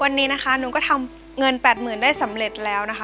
วันนี้นะคะหนูก็ทำเงิน๘๐๐๐ได้สำเร็จแล้วนะคะ